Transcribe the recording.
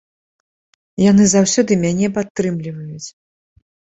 Яны заўсёды мяне падтрымліваюць.